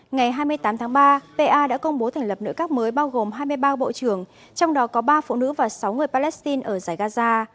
ngày hai mươi tám tháng ba pa đã công bố thành lập nội các mới bao gồm hai mươi ba bộ trưởng trong đó có ba phụ nữ và sáu người palestine ở giải gaza